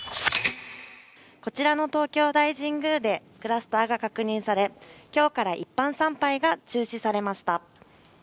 こちらの東京大神宮でクラスターが確認され、今日から一般参拝が中止されました。